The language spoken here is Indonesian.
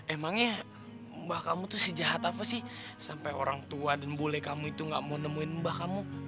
emangnya mbah kamu tuh sejahat apa sih sampai orang tua dan bule kamu itu gak mau nemuin mbah kamu